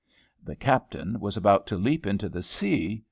The captain was about to leap into the sea.